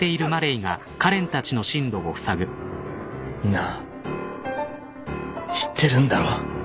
なあ知ってるんだろ？